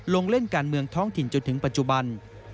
ลงเล่นการเมืองท้องถิ่นจนถึงปัจจุบัน